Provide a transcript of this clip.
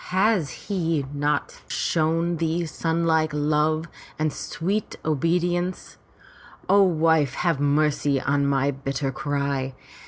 Has he not ever shown thee sonlike love and sweet obedience? O wife, have mercy on my bitter cry.